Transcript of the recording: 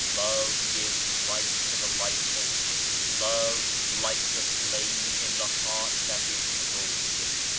Love gives life to the lifeless. Love lights a flame in the heart that is cold.